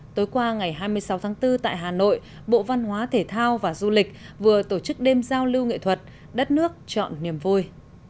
tối qua ngày hai mươi sáu tháng bốn tại hà nội bộ văn hóa thể thao và du lịch vừa tổ chức đêm giao lưu nghệ thuật đất nước chọn niềm vui